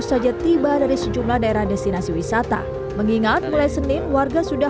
saja tiba dari sejumlah daerah destinasi wisata mengingat mulai senin warga sudah